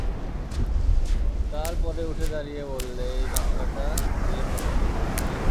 তার পরে উঠে দাঁড়িয়ে বললে, এই গামছাটা দিয়ে মুড়ে নিই বউদিদি।